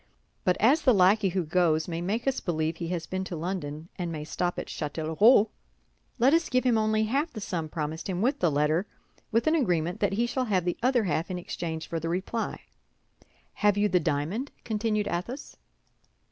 But as the lackey who goes may make us believe he has been to London and may stop at Châtellerault, let us give him only half the sum promised him, with the letter, with an agreement that he shall have the other half in exchange for the reply. Have you the diamond?" continued Athos.